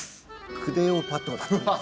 クレオパトラといいます。